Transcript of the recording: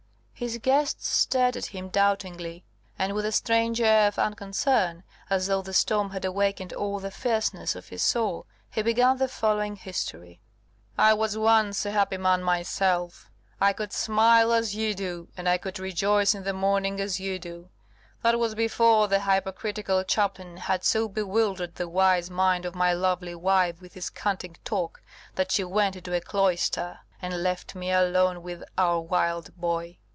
His guests stared at him doubtingly; and with a strange air of unconcern, as though the storm had awakened all the fierceness of his soul, he began the following history: "I was once a happy man myself; I could smile, as you do, and I could rejoice in the morning as you do; that was before the hypocritical chaplain had so bewildered the wise mind of my lovely wife with his canting talk, that she went into a cloister, and left me alone with our wild boy.